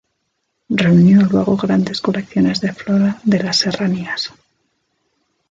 Reunió luego grandes colecciones de flora de las serranías.